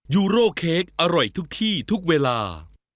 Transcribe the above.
ยูโรเค้กอร่อยทุกที่ทุกเวลา